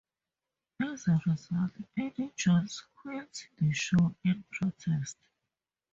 As a result, Andy Jones quit the show in protest.